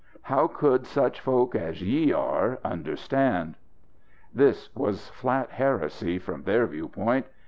How should such folk as ye are understand?" This was flat heresy from their viewpoint.